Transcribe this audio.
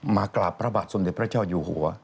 มากราบพระบาทสมเด็จพระเจ้าอยู่หัว